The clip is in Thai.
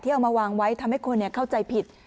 ที่เอามาวางไว้ทำให้คนเนี้ยเข้าใจผิด